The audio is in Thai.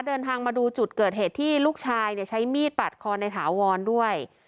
เดินทางมาดูจุดเกิดเหตุที่ลูกชายใช้มีดปัดคอในถาวรด้วย